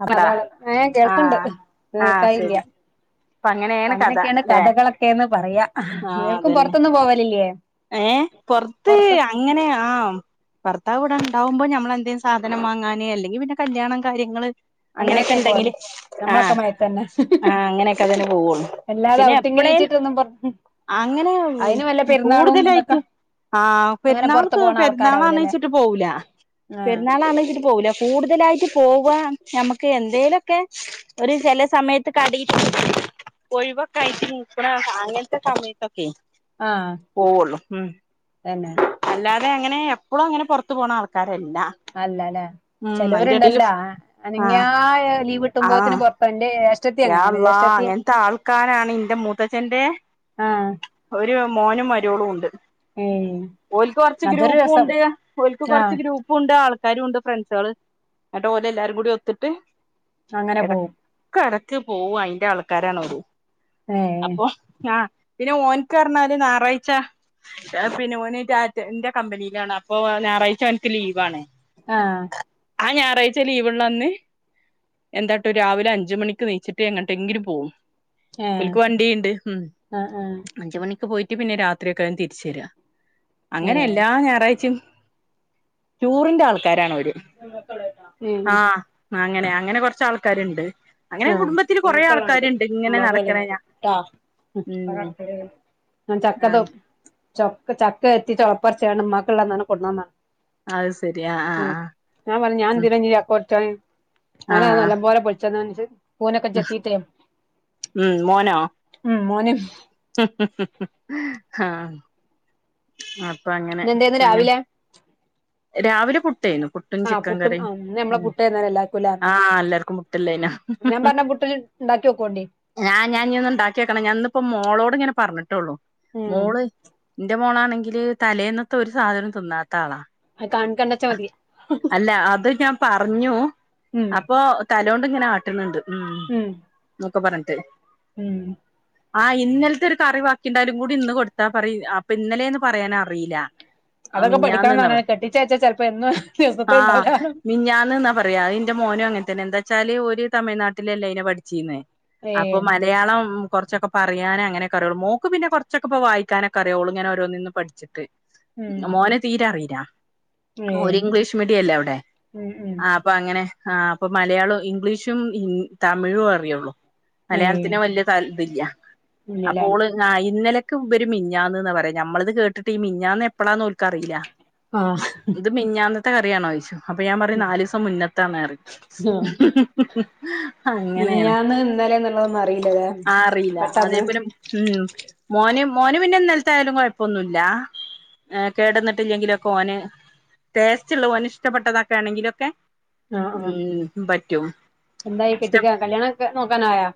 അ ടാ അതാണ് ഏ കേൾക്കണ്ട് ആഹ് ആഹ് കേൾക്കായില്ല ശരി അപ്പൊ അങ്ങനെയാണ് കഥ അങ്ങനെയൊക്കെയണ്ട് ല്ലെ കഥകളൊക്കെന്ന് പറയാ നിർക്കും പുറത്തൊന്നും പോവലില്ലേ ഏഹ് പൊറത്ത് പുറത്ത് അങ്ങനെയാം ഭർത്താവിടെ ഉണ്ടാവുമ്പോ നമ്മളെ എന്തേങ്കും സാധനം വാങ്ങാന് അല്ലെങ്കി പിന്നെ കല്യാണം കാര്യങ്ങള് അങ്ങനെയൊക്കെ ഉണ്ടെങ്കില് നമ്മളൊക്കെ ആഹ് മയത്തന്നെ ആഹ് അങ്ങനെയൊക്കെ അതിന് പോവുള്ളു എല്ലാതെ പിന്നെ എപ്പളേലും ഔട്ടിങ്ങിനിച്ചിട്ടൊന്നും പൊ അങ്ങനെ ഉം ഇതൊക്കെ കൂടുതലായിട്ട് ആഹ് അങ്ങനെ പുറത്ത് പെരുന്നാൾക്ക് പോണ ആൾക്കാരാവൂലല്ലേ പെരുന്നാളാന്നെച്ചിട്ട് പോവൂല ആഹ് പെരുന്നാളാണിച്ചിട്ട് പോവൂല കൂടുതലായിട്ട് പോക നമ്മക്ക് എന്തേലൊക്കെ ഒരു ചെല സമയത്ത് കടി പോയി വൊക്കെ [unintelligible] ക്കണ അങ്ങനത്തെ സാമത്തെക്കെ ആഹ് പോവുള്ളു ഉം തന്നെ അല്ലാതെ അങ്ങനെ എപ്പോഴും അങ്ങനെ പുറത്തു പോണ ആൾക്കാരല്ല അല്ല ലെ ഉം അയിന്റെ എടേല് ചിലൊരുണ്ടല്ലോ അനങ്ങിയാ ആഹ് ലീവ് കിട്ടുമ്പോത്തിന് ആഹ് പൊറത്തൊകും ഇൻ്റെ ഏഷ് യാ അള്ളാഹ് അങ്ങനത്തെ ആൾക്കാരാണ് ഇൻ്റെ മുത്തച്ഛൻ്റെ ആഹ് ഒരു മോനും മരുവോളും ഉണ്ട് ഏയ് ഓൽക്ക് കുറച്ച് അതൊരു ഗ്രൂപ്പു രസം ഉണ്ട് ഓൽക്ക് ആഹ് കുറച്ച് ഗ്രൂപ് പ്പു ഉണ്ട് ആൾക്കാരുണ്ട് ഫ്രണ്ട്സുകൾ ന്നിട്ട് ഒലെല്ലാരും കൂടി ഒത്തിട്ട് അങ്ങനെ പോവും ക്കെടക്ക് പോവും അയിന്റെ ആൾക്കാരാണൊര് ഏഹ് അപ്പൊ ആഹ് പിന്നെ ഓൻക്ക് പറഞ്ഞാല് ഞായറാഴ്ച ഷ പിന്നെ ഓന്ന് റ്റാറ്റ ന്റെ കമ്പനിയിലാണ് അപ്പൊ ഞായറാഴ്ച അവനിക്ക് ലീവാണ് അ ആഹ് അ ഞാറാഴ്ച്ച ലീവ്ള്ളന്ന് എന്താട്ടും രാവിലെ അ ഞ്ച് മണിക്ക് നീച്ച്ട്ട് എങ്ങട്ടെങ്കിലും പോവും ഏഹ് ഓല്ക്ക് വണ്ടി ഇണ്ട് ഉം ആഹ് ആഹ് അഞ്ച് മണിക്ക് പോയി റ്റ് പിന്നെ രാത്രിയൊക്കെവും തിരിച്ചര അങ്ങനെ ഏഹ് എല്ലാ ഞായറാഴ്‌ചയും ടൂറിന്റെ ആൾക്കാരാണ് ഓല് ഉം അങ്ങനെ അങ്ങനെ കൊറച്ചാൾക്കാര്ണ്ട് ഉം ഇങ്ങക്ക്ള്ളണ്ട് ഇങ്ങനെ ഉമ്മാക്കും നടക്കണ ഞാ വല്ലിമ്മാക്കും ട്ടോ ഉം ഞാൻ ആഹ് ചക്കതും ചൊക്ക ചക്ക എത്തി ചൊളപ്പറിച്ചാണ്ട് ഉമ്മാക്കള്ളണ്ടണ്ണം കൊട്ന്നന്നാ അഅ് സരി അ അ ആഹ് ഞാൻ പറഞ്ഞു ആഹ് ഉം ഞാനെന്തിനാഞ്ഞ് ചക്ക പറിച്ചാന് ഓനത് നല്ലം പോലെ പൊളിച്ചന്നാന്ച്ച് കൂനൊക്കെ ആഹ് ചെത്തീട്ടേ ഉം ഉം മോന് ഹും ഹും ഹും ആഹ് അപ്പ അങ്ങനെ ഇന്നെന്തേന്ന് അങ്ങനെ രാവിലെ രാവിലെ പുട്ടേന്നു പുട്ട് ആഹ് പുട്ടും ആഹ് ഇന്ന് ഞമ്മളെ പുട്ടേര്ന്നലേ എല്ലാര്ക്കുംലേ ആഹ് എല്ലാർക്കും പുട്ടില്ലേനോ ഞാൻ പറഞ്ഞ പുട്ട് ണ്ടാക്ക്യോക്കോണ്ടി ഞാ ഞാ ഞ്ഞിന്ന് ണ്ടാക്ക്യോക്കണം ഞാന്നിപ്പോ മോളോട്ങ്ങനെ പറഞ്ഞിട്ടൊള്ളൂ ഉം മോള് ന്റെ മോളാണെങ്കില് തലേന്നത്തെ ഒരു സാധനം തിന്നാത്ത ആളാ അത് കാൺ കണ്ടാച്ചാതി അല്ലാ അത് ഞാൻ പറഞ്ഞു ഉം അപ്പൊ തലോണ്ട്ങ്ങനെ ആട്ട്ണ്ണ്ട് ഉം ഉം ന്നൊക്കെ പറഞ്ഞിട്ട് ഉം ആഹ് ഇന്നലത്തെ ഒരു കറി ബാക്കിണ്ടായാലും കൂടി ഇന്ന് കൊടുത്താ പറിം അ അപ്പൊ ഇന്നലേന്ന് പറയാനറീല അതൊക്കെ പഠിക്കണന്നാണ് കെട്ടിച്ചയ്ച്ച ചെലപ്പോ എന്നും ദിവസത്തെ ആഹ് ഇണ്ടാവൂലാർഞ്ഞ് മിഞ്ഞാന്ന്ന്നാ പറ അഅ് അയിന്റെ മോനും അങ്ങനെ തന്നെ എന്താച്ചാല് ഓല് തമിഴ് നാട്ടിലല്ലേനു പഠിച്ചീന്നെ അപ്പൊ ഏഹ് മലയാളം കൊറച്ചൊക്കെ പറയാനങ്ങനെക്കറിയുള്ളു മോക്ക് പിന്നെ കൊറച്ചൊക്കെപ്പോ വായിക്കാനൊക്കെ അറിയ ഓള്ങ്ങനെ ഓരോന്ന്ന്ന് പഠിച്ചിട്ട് ഉം മോന് തീരെ അറീലാ ഏഹ് ഇംഗ്ലീഷ് മീഡിയല്ലേ അവടേ ഉം ഉം ആ പ്പൊ അങ്ങനെ ആ അപ്പൊ മലയാളും ഇംഗ്ലീഷും ഹിന് തമിഴോറിയൊള്ളൂ ഏഹ് മലയാളത്തിന് വല്ല്യേ താൽ ഇതില്ല അങ്ങനെല്ലേ അപ്പോള് ആഹ് ഇന്നലെക്ക് ഇബര് മിഞ്ഞാന്ന്ന്നാ പറയ ഞമ്മളത് കേട്ടിട്ട് ഈ മിഞ്ഞാന്ന് എപ്പളാന്ന് ഓൽക്കറീല ആഹ് ഇത് മിഞ്ഞാന്നത്തെ കറിയാണോയ്ച്ചും അപ്പൊ ഞാൻ പറയും നാലീസം മുന്നത്താണറിം ആഹ് അങ്ങനെയാണ് മിഞ്ഞാന്ന് ഇന്നലെന്നുള്ളതൊന്നും അറിയില്ലല്ലേ ആറീല പെട്ടെന്ന് അതേപോലെ ഉം മോന് മോന് പിന്നെ ഇന്നലത്തായാലും കൊയപ്പൊന്നുല്ലാ ഏ കേടന്നിട്ട്ല്ലെങ്കിലൊക്കെ ഓന് ടേസ്റ്റ്ള്ള ഓന് ഇഷ്ടപ്പെട്ടതക്കേണെങ്കിലൊക്കെ ആഹ് ആഹ് ഉം പറ്റും എന്തായി കെട്ടിക്ക കല്യാണൊക്കെ നോക്കാനായോ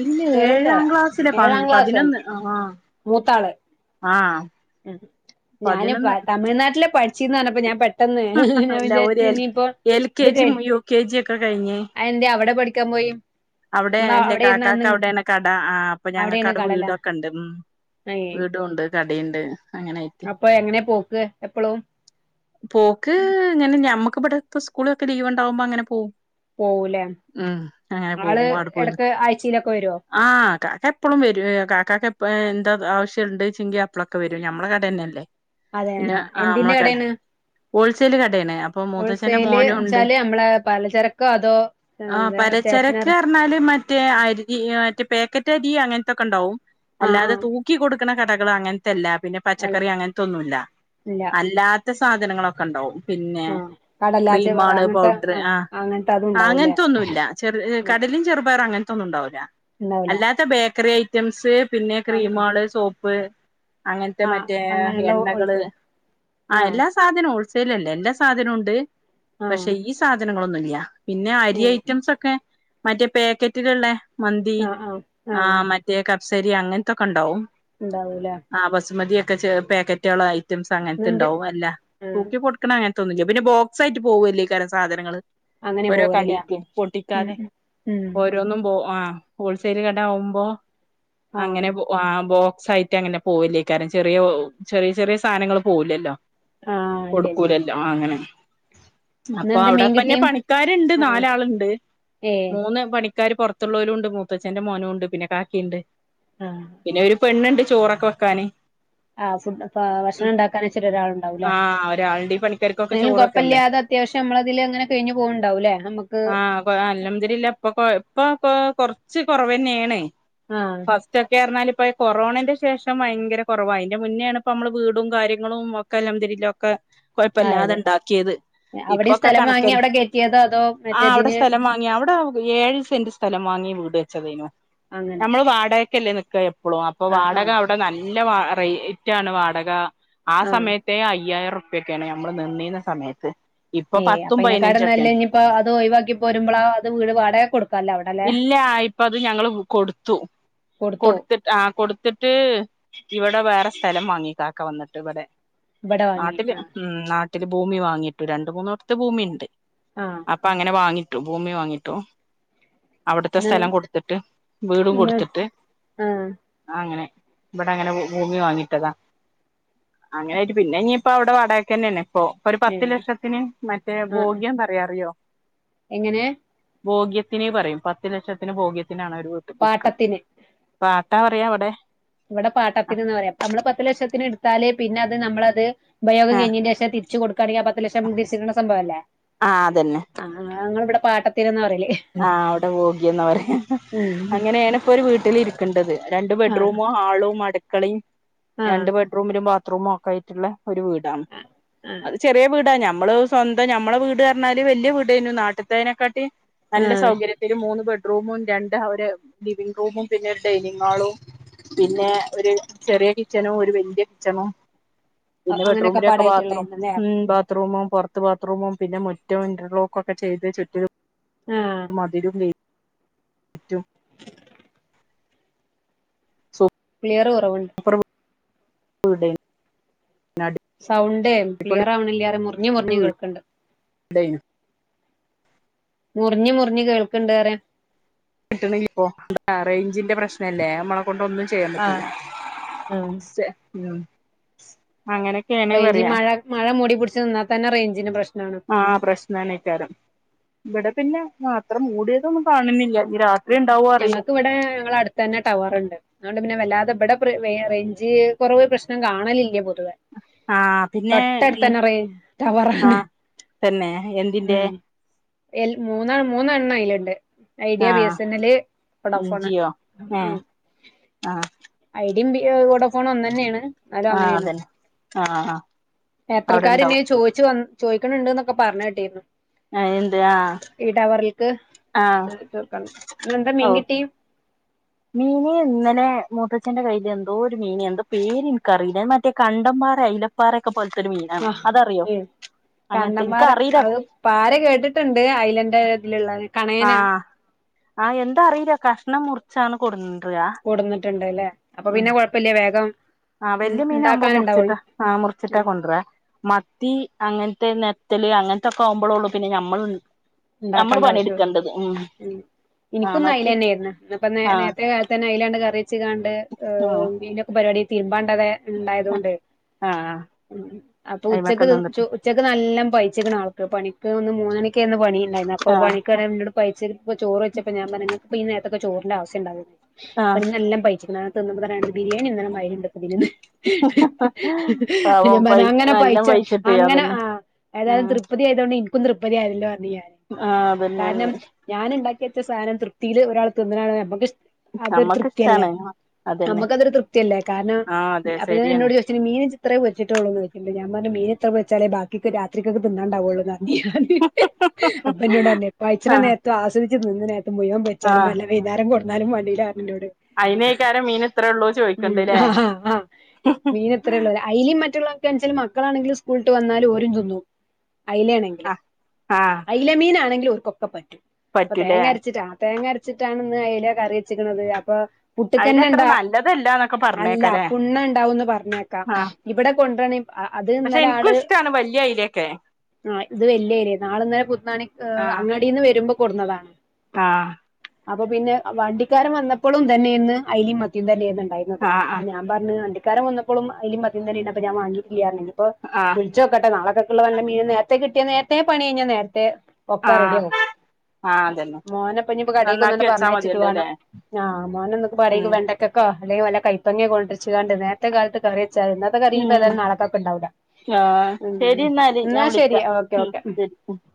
ഇല്ല ഏഴാം ക്ലാസ്സില് പ ക്ലാസ് പതിനൊന്ന് ആഹ് ആഹ് മൂത്താള് ആഹ്‌ ഉം ഞാന് പ തമിഴ്‌നാട്ടില് പഠിച്ചീര്ന്ന്റഞ്ഞപ്പോ ഞാൻ പെ പെട്ടെന്നേ ഞാൻ അല്ല ഒരു വിചാരിച്ച് എൽ ഇനിയിപ്പോ എൽ കെ ഇത് കേ ജിയും യു കെ ജി ഒക്കെ കഴിഞ്ഞ് അതെന്തേ അവടെ പഠി ക്കാൻ പോയി അവടേ നിങ്ങള് അല്ലേ അവിടെയിരുന്ന കാക്കാക്ക് അന്ന് അവടേണ് കട ആ അപ്പൊ അവിടെയാണ് ഞങ്ങക്കവടെ കടലാ വീടൊക്കെണ്ട് ഉം ഏഹ് വീടൂണ്ട് കടീണ്ട് അങ്ങനെയി പ്പൊ എങ്ങനെ പോക്ക് എപ്പളും പോക്ക് ഇങ്ങനെ ഞമ്മക്ക് വിടെ സ്കൂളിലൊക്കെ ലീവ് ഉണ്ടാവുമ്പോ അങ്ങനെ പോകും പോവൂല ഉം അങ്ങനെ ആള് എടക്ക് ആഴ്ചയിലൊക്കെ വരുവോ ആഹ് കാക്ക എപ്പോഴും വരും കാക്കക്ക്പ്പ എന്താ ആവശ്യംണ്ട്ച്ചെങ്കി അപ്പളൊക്കെ വരും നമ്മുടെ കടന്നെയല്ലേ അതെ പിന്നെ ആഹ് ആ എന്തിന്റെ അമ്മള കട കടയാണ് മൂത്തച്ഛൻറ്റെകടയാണ് മൂത്തച്ഛൻറ്റെ ഹോൾസെയില് മോനും ഉണ്ട് വെച്ചാല് നമ്മളെ പലചരക്കോ അതോ ഏഹ് വേറെ സ്റ്റേഷനറി മറ്റ അരി പാക്കറ്റ് അരി അങ്ങനൊക്കെ ഉണ്ടവും ആഹ് അല്ലാതെ ആഹ് തൂക്കികൊടുക്കുന്ന കടകൾ അങ്ങനത്തെല്ല പിന്നെ അതെ പച്ചക്കറി അങ്ങനത്തൊന്നുമില്ല ഇല്ല അല്ലാത്ത സാധ ജനങ്ങളൊക്കെ ഉണ്ടാവും പിന്നെ ആഹ് കടലാച്ചി ക്രീം പറ ആള് അങ്ങനത്തെ പൗഡർ ആഹ് ആ അങ്ങനത്തെ അതും ഉണ്ടാവൂല്ലേ അങ്ങനത്തെ ഒന്നുമില്ല പിന്നെ കടലും ചെറുപയർ അങ്ങനത്തെ ഒന്നുംണ്ടാവില്ല ഉണ്ടാവൂല അല്ലാത്ത ബേക്കറി ഐറ്റംസ് പിന്നെ ആഹ് ക്രീമാള് സോപ്പ് അങ്ങനത്തെ ആഹ് മറ്റേ അങ്ങനെയുള്ള എണ്ണകള് ഹോൾസെയിൽ ആ ആഹ് എല്ലാ സാധനം ഹോൾസെൽ അല്ലേ എല്ലാ സാധനം ഉണ്ട് പക്ഷെ ആഹ് ഈ സാധനങ്ങളൊന്നുംഇല്ല പിന്നെ അരിയ ഏഹ് ഐറ്റംസ്ക്കെ മറ്റേ പാക്കറ്റുകളുടെ മന്തി ആഹ് ആഹ് ആ ആഹ് മ ശരിയ അങ്ങനത്തൊക്കെ ഉണ്ടാവും ഉണ്ടാവൂല്ല ആ ബസുമതിയൊക്കെ ചെറിയ പാക്കറ്റകള് ഐറ്റംസ് അങ്ങനത്തെ ഇന്നെന്ത് ഉണ്ടാവും അല്ല ആഹ് തൂക്കികൊടുക്കുന്ന ക്കണ അങ്ങനെത്തതുന്നുമില്ല പിന്നെ ബോക്സായിട്ട് പോവല്ലേ ഈ സാധനങ്ങങ്ങള് അങ്ങനെ ഓരോ പോവലല്ലേ കടീക്ക് ഉം പൊട്ടിക്കാതെ ഉം ഉം ഓരോന്നും പോ ആ ഹോൾസെൽ കട ആവുമ്പോ അങ്ങനെ ആഹ് പോ ആ ബോക്സ് ആയിട്ട് അങ്ങനെ പോകല്ലേ കാര്യം ചെറിയ ചെറിയ ചെറിയ സാധനങ്ങൾ പോവല്ലില്ലല്ലോ ആഹ് ഇല്ല ഇല്ല കൊടുക്കൂല അല്ലേ ആ അങ്ങനെ അപ്പൊ ഇന്നെന്ത് മീൻ അവിടെപ്പിന്നെ കിട്ടി പണിക്കാരുണ്ട് ആഹ് നാലാളുണ്ട് ഏഹ് മൂന്ന് പണി ഇക്കാര് പുറത്തുള്ളവരുണ്ട് മൂത്തച്ഛന്റെ മോനുംഉണ്ട് പിന്നെ കാക്കയുണ്ട് ഹ പിന്നെ ഒരു പെണ്ണുണ്ട് ചോറൊക്കെ വെക്കാാന് ആഹ് ഫുഡ് ഭക്ഷണം ഉണ്ടാക്കാൻ വെച്ചിര ഒരാൾഉണ്ടാവൂല്ലേ ആഹ് ഒരാളുണ്ട് ഈ പണിക്കാർക്കൊക്കെ എന്നാലും ചോറ് വെക്കണ്ടേ കൊഴപ്പില്ലാതെ അത്യാവശ്യം നമ്മള് അതില് അങ്ങനെ കഴിഞ്ഞു പോവണ്ടാവൂല്ലേ നമുക്ക് അല്ലതിരില്ല [unintelligible] അപ്പൊ ഇപ്പൊ കൊ കൊറച്ച് കുറവ് തന്നെയാണ് ആഹ് ഫസ്റ്റ് ഒക്കെ ആരുന്നാൽ ഇപ്പോ കൊറോണന്റെ ശേഷം ഭയങ്കര കൊറവാ അതിന്റെ മുന്നേയാണ് ഇപ്പോ നമ്മള് വീടും കാര്യങ്ങളും കലംതിരിലൊക്കെ കൊഴപ്പല്ലാതെ ആയത് ഇണ്ടാക്കിയത് അവിടെയും ഇപ്പൊക്കെ സ്ഥലം വാങ്ങി കണക്കന്നെ അവിടെ കയറ്റിയതോ അതോ ആഹ് അവിടെ മറ്റേതിന് സ്ഥലം വാങ്ങി അവിടെ ഏഴ് സെന്റ് സ്ഥലം വാങ്ങി വീട് വെച്ചതന് അങ്ങനെ ഞമ്മള് വാടകക്കല്ലേ നിക്ക അപ്പൊ ആഹ് വാടക ആഹ് അവിടെ നല്ല റേറ്റ് ആണ് വാടക ആ ആഹ് സമയത്ത് അയ്യായിരം റുപ്യൊക്കെയാണ് നമ്മള് നിന്നി നാ സമയത്ത് ഇപ്പൊ പത്തും പതിനഞ്ചൊക്കെയാണ് അപ്പ അത് ഒഴിവാക്കി പോരുമ്പോൾ ആഹ് അത് വീട് വാടകയ്ക്ക് കൊടുക്കും ഇല്ല ഇപ്പ അത് ഞങ്ങള് കൊടുത്തു കൊടുത്തു കൊടുത്തിട്ട് ആഹ് കൊടുത്തിട്ട് ഇവിടെ വേറെ സ്ഥലം വാങ്ങി കാക്ക വന്നിട്ട് ഇവിടെ ഇവിടെ വാങ്ങി നാട്ടില് ആഹ് ഉമ് നാട്ടില് ഭൂമി വാങ്ങിട്ടു രണ്ട് മൂന്ന് എടുത്ത് ഭൂമിയുണ്ട് ആഹ് അപ്പം അങ്ങനെ വാങ്ങിട്ടോ ഭൂമി വാങ്ങിയിട്ടോ അവിടുത്തെ ന്ന് സ്ഥലം കൊടുത്തിട്ട് വീടും ന്ന് കൊടുത്തിട്ട് ആഹ് അങ്ങനെ ഇവിടെ അങ്ങനെ ഭൂമി വാങ്ങിട്ടതാ അങ്ങനെയായിട്ട് പിന്നെ ഇനിയിപ്പൊ അവിടെ വാടകക്ക് തന്നെ അപ്പൊ ഒരു പത്ത് ഏഹ് ലക്ഷത്തിന് മറ്റേ ആഹ് ഭോഗിയം പറയാ അറിയോ എങ്ങനെ ഭോഗ്യത്തിനെ പറയും പത്ത് ലക്ഷത്തിന് ഭോഗ്യത്തിനാണ് അവര് വീട്ട് വിൽക്കുന്നത് പാട്ടത്തിന് പാട്ടാ പറയാ അവിടെ ഇവിടെ പാട്ടത്തിനെന്ന് പറയാ നമ്മള് പത്ത് ലക്ഷത്തിന് എടുത്താല് പിന്നെ അത് നമ്മളത് ഉപയോഗം ആ കഴിഞ്ഞിന്റെ ശേഷം ച്ച് കൊടുക്കുകയാണെങ്കിൽ പത്ത് ലക്ഷം തിരിച്ചു കിട്ടുന്ന സംഭവ അല്ലേ ആ അതന്നെ ആഹ് ഞങ്ങള് ഇവിടെ പാട്ടീത്തിലെന്ന് പറയല് ആഹ് അവിടെ വോഗിന്ന് പറയാ ഉം അങ്ങനെണ് ഇപ്പോ ഒരു വീട്ടിലിരിക്ക കണ്ടത് രണ്ട് ആഹ് ബെഡ്റൂമും ഹാളും അടുക്കളയും ആഹ് രണ്ട് ബെഡ്റൂമിലും ബാത്റൂമും ഒക്കെ ആയ് ഒരു വീടാണ് ആഹ് അത് ചെറിയ വീട നമ്മള് സ്വന്തം ഞമ്മളെ വീട് പറഞ്ഞാല് വല്യ വീടായിന്നു നാട്ടത്തേതിനെക്കാട്ടി നല്ല ആഹ് സൗകര്യം ഒരു മൂന്ന് ബെഡ്റൂ മും രണ്ട് അവര് ലിവിംഗ് റൂമും പിന്നെ ഒരു ഡൈനിങ് ഹാളും പിന്നെ ഒരു ചെറിയ കിച്ചണു ഒരു വല്ല്യ കിച്ചണു പിന്നെ അങ്ങനെയൊക്കെ ബെഡ്റൂലൊക്കെ ബാത്റൂം പാടായിട്ടുള്ളായിരുന്നല്ലേ ബാത്റൂമും പുറത്ത് ബാത്റൂമും പിന്നെ മുറ്റ ഇന്റർലോക്കെ ചെയ്ത് ചുറ്റിലും ആഹ് മതിലും ഗൈറ്റും സൂപ് ക്ളിയറ് കുറവണ്ട് കുറവ് നട് സൗണ്ടേ ക്ലിയർ ആവണില്ല പറയ് മുറിഞ് മുറിഞ്ഞ് കേൾക്കണ്ട് [unintelligible] മുറിഞ് മുറിഞ് കേൾക്കണ്ട് പറയാ കിട്ടണല്ലേ റേഞ്ചിന്റെ പ്രശ്നല്ലേ നമ്മളെ കൊണ്ട ഒന്നും ചെയ്യാൻ ആഹ് പറ്റില്ല ആഹ് അങ്ങനെ റേഞ്ചിൽ മഴ മഴ മൂടി പിടിച്ച് നിന്നാൽ തന്നെ റേഞ്ചിന് പ്രശ്നാണ് ആഹ് പ്രശ്നക്കാരം ഇവിടെ പിന്നെ മാത്രം മൂടിയതൊന്നും കാണുന്നില്ല ഇനി രാത്രി ഉണ്ടാവോ അറിയില്ല ഞങ്ങക്ക് ഇവിടെ ഞങ്ങള അടു തന്നെ ടവർ ഉണ്ട് അതുകൊണ്ട് പിന്നെ വല്ലാതെ എവിടെ റേഞ്ച് കുറവ് പ്രശ്നം കാണലില്ലേ പൊതുവെ ആ പിന്നെ ഉം തൊട്ടടുത്തന്നെ റെ ആ ടവറാണ് തന്നെ എന്തിന്റെ ഉം മൂന്ന മൂന്നെണ്ണം അയിലുണ്ട് ഐഡിയ ആ ബി എസ് അയൽ ഉം വൊഡാഫോണ് ജിയോ ഏ ആ ഐഡിയും വഡോഫോൺ ഒന്ന് തന്നെയാണ് അതോ ആ അങ്ങനെയാണ് അതന്നെ ആ ആ ഏട്രൽ അവിടെ കാര് ഇനി ഇണ്ടാവും ചോ ചോദിക്കണുന്നുണ്ട് എന്നൊക്കെ പറഞ്ഞു കേട്ടിരുന്നു എന്ത് ആഹ് ഈടവറൽക്ക് ത്തീർക്കണം ഇന്ന് എന്താ ഓ മീൻകിട്ടി മീന് ഇന്നലെ മൂത്തച്ഛറെ കയ്യിൽ എന്തോ ഒരു മീന എന്തോ പേര് നിക്കറിയില്ല മറ്റേ കണ്ടന്മാർായില്ല പാരക്കെ പോലത്തെൊരു മീനാണ് അതറിയോ അങ്ങനത്തെ കണ്ടന്മാര് എനിക്കറിയില്ല അത് പാര കേട്ടിട്ടുണ്ട് ഐലൻഡ് ഇതിലുള്ളത് കണയനാ ആഹ് ആഹ് എന്ത അറില കഷ്ണമൂർ മുറിച്ചാണ് കൊണ്ടരാ കൊടുന്നിട്ടുണ്ട് ല്ലേ അപ്പൊ പിന്നെ കുഴപ്പില്ല വേഗം ആഹ് ഉം വല്യ മീന ആകുമ്പോ മുറിച്ചിട്ട ഉണ്ടാക്കാനുണ്ടാവുള്ളു ആഹ് ആ മുറിച്ചിട്ടാ കൊണ്ടരാ മത്തി അങ്ങനത്തെ നെത്തല് അങ്ങനത്തെൊക്കെ ആവുമ്പോളൊള്ളു പിന്നെ ഞമ്മള് നമ്മള് ഉണ്ടാക്കണ്ട ആവശ്യം പണിയെടുക്കേണ്ടത് ഉം ആഹ് എനിക്കൊന്ന മത്തി അയിലന്നെയായിരുന്നു ന്ന്പ്പ ആഹ് നേരത്തെ കാലത്തന്നെ അയിലാണ്ട് കറിയിച്ച് കാണ്ട് ഉം ഇലൊക്കെ പരിപാടി തീരുമ്പാണ്ടതെ ണ്ടായതൊണ്ട് ആഹ് ഉ അപ്പൊ അയിമക്കെ ഉച്ചക്ക് ചോ നിന്നിട്ട് ഉച്ചയ്ക്ക് നല്ല പയിച്ക്കണ ആൾക്ക് പണിക്ക് ന്ന് മൂന്നണിക്കന്ന് പണിയിണ്ടായിരുന്നു അപ്പോ ആഹ് പണി ക്കേറാ ഇന്നോട് പൈച്ച പ്പ ചോറോയ്ച്ചപ്പോ ഞാൻപറഞ് ഇങ്ങക്ക് പ്പോ ഇ നേരത്തെക്കെ ചോറിന്റെ ആവശ്യംണ്ട ആഹ് ഇന്ന് ന്നെല്ലാം പൈച്ച് കണ് തിന്ന്മ്പ തന്നെബിരിയാണി തിന്ന്ണ്മാതിരിണ്ട് [unintelligible] അ ഞാൻ പാവം പറഞ്ഞ പൈ അങ്ങനെ നല്ലോം പൈച്ച പൈച്ചിട്ടേ അങ്ങനെ അതന്നെ ആഹ് ഏതായാലും ഉം തൃപ പതിയതോണ്ട് ഇനക്കും ത്രപതിയല്ലോ പറഞ്ഞ് ആഹ് കാരണം അതന്നെന്നെ ഞാൻ ഉണ്ടാക്കി വെച്ച സാധനം തൃപ്തിയിയില് ഒരാൾ തിന്നാണ് കാണമ്പോ നമുക്ക് അതൊരു നമ്മക്ക് തൃപ്തിയല്ലേ ഇഷ്ടാണ് അതന്നെ നമ്മക്ക് അതൊരു തൃപ്തിയല്ലേ കാരണം ആഹ് അതെ അപ്പൊന്നെ ശരിയാണ് ന്നോട് ചോയിച് മീന് ജ് ഇത്രെ പൊരിട്ടുള്ളൂന്നോയ്ച്ണ്ട് ഞാൻ പറഞ്ഞ് മീന് ത്ര പൊര്ച്ചാലേ ബാക്കിക്ക് രാത്രികക്ക് തിണ്ടാവുകുള്ളൂന്നറിഞ് അപ്പന്നോട് പറഞ്ഞെ പയ്ച്ണ ആഹ് നേർത്തും ആസ്വദിച് തിന്ന്ണ നേരത്തും മുഴുവൻ പൊര്ച്ചാലും ആഹ് മണ്ടില്ല വെയ്ന്നാരം കൊടുന്നാലും മാണ്ടിലാന്നർഞ്ഞ് ന്നോട് അയ്നേക്കാരം മീൻ ഇത്രൊള്ളൂ ചോയ്ക്കണ്ടല്ലേ അയ്ലിം മറ്റുള്ളൊക്കേണ്ച്ചാൽ മക്കളാണെങ്കില് സ്കൂള്ട്ട് വന്നാല് ഓരും തിന്നും അയ്ലേണെങ്കി ആഹ് ആഹ് അയലമീനാണെങ്കില് ഓർക്കൊക്കെ പറ്റും പ്പൊ പറ്റൂലേ തേങ്ങ അരച്ചിട്ട് തേങ്ങ അരച്ചിട്ടാണ് ഇന്ന് അയല കറി വച്ചിക്ക്ണത് അപ്പൊ അയിലത്ര പുട്ടിക്കന്നെന്താ നല്ലതല്ലാന്നൊക്കെ അല്ല പറഞ്ഞേക്കാലേ പുണ്ണ് ഉണ്ടാവുന്ന് പറഞ്ഞേക്ക ആഹ് ഇവിടെ കൊണ്ടരാണെ അത് പക്ഷെ ഇന്നലെ ഇൻക്കും ആള് ഇഷ്ടാണ് വല്യ അയിലൊക്കെ ആഹ് ഇത് വല്യ അയ്ലെ നാളെ ഇന്നലെ പുത്താണി ആഹ് അങ്ങാടീന്ന് വരുമ്പോ കൊടന്നതാണ് ആഹ് അപ്പൊ പിന്നെ വണ്ടിക്കാരൻ വന്നപ്പളും ഇതന്നെയെന്ന് അയ്ലിം മത്തിം തന്നെയേന്ന് ണ്ടായിരുന്നത് ആഹ് ആഹ് ഞാൻ പറഞ്ഞ് വണ്ടിക്കാരൻ വന്നപ്പളും അയലിം മത്തിം തന്നെ ഉണ്ട് ഞാന് വാങ്ങീട്ടില്ലാർഞ് ആഹ് വിളിച്ചോക്കട്ടെ നാളകക്ക് ള്ള വല്ല മീനും നേരത്തെ കിട്ടിയാ നേരത്തെ പണി കഴിഞ്ഞ നേരത്തെ ഒക്കെ റെഡി ആഹ് ആകും ആഹ് അതന്നെ മോനെപ്പം ഞ്പ്പം കടേക്ക് നന്നാക്കി ഒന്നട് വെച്ചാ പറഞ്ഞേച്ചിട്ട് മതിയല്ലോല്ലേ വേണം ആഹ് മോനെ എന്നക്ക് കടേക്ക് ഉം വേണ്ട തക്കോ അല്ലെ വല്ല കൈപ്പങ്ങേ കൊണ്ടര്ച്കാണ്ട് നേർത്തെ കാലത്ത് കറീയേച്ചാല് ന്ന ന്ന് കറിഞ്ഞ്പ്പോ ഉം ഏതായാലും നാളക്കൊക്കെ ഉണ്ടാവൂല ആഹ് ഉം ശരി എന്നാല് ഞാൻ എന്ന ശരി വിളിക്കാം ഓക്കെ ഓക്കെ ശരി ഉം